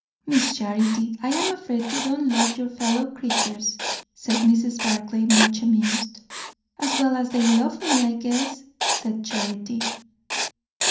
"Miss Charity, I am afraid you do not love your fellow creatures," said Mrs. Barclay, much amused. "As well as they love me, I guess," said Charity.